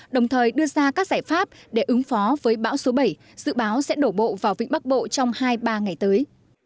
đồng thời đưa ra các giải pháp để ứng phó với bão số bảy dự báo sẽ đổ bộ vào vịnh bắc bộ trong hai ba ngày tới